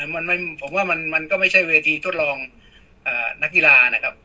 มันว่ามันก็ไม่ใช่เวทีทดลองนักกีฬานะครับ